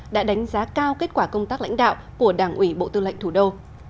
đã đánh giá cao kết quả công tác lãnh đạo của đảng ủy bộ tư lệnh thủ đô